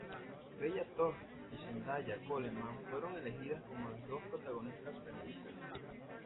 Bella Thorne y Zendaya Coleman fueron elegidas como las dos protagonistas femeninas.